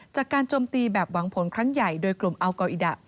จากการจมตีแบบวางผลครั้งใหญ่โดยกลุ่มเอาเกาอิดะ